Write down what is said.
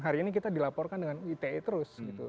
hari ini kita dilaporkan dengan ite terus gitu